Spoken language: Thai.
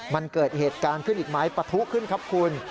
มันเกิดเหตุการณ์ขึ้นอีกไหมปะทุขึ้นครับคุณ